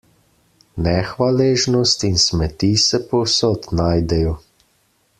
Nehvaležnost in smeti se povsod najdejo.